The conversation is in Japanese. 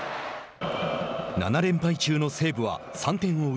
７連敗中の西武は３点を追う